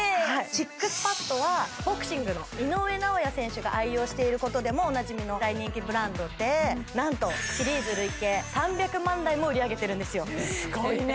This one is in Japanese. ＳＩＸＰＡＤはボクシングの井上尚弥選手が愛用していることでもおなじみの大人気ブランドでなんとシリーズ累計３００万台も売り上げているんですよすごいね！